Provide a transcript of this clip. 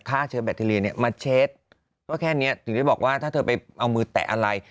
เชิญแบคทีเรียเนี่ยมาเช็ดก็แค่นี้ถึงได้บอกว่าถ้าเธอไปเอามือแตะอะไร